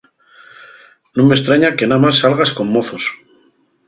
Nun m'estraña que namás salgas con mozos.